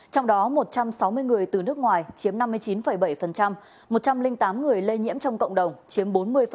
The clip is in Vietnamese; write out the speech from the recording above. trong đó một trăm sáu mươi người từ nước ngoài chiếm năm mươi chín bảy một trăm linh tám người lây nhiễm trong cộng đồng chiếm bốn mươi